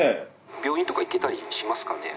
病院とか行けたりしますかね？